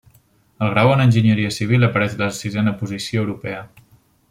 El grau en Enginyeria Civil apareix en la sisena posició europea.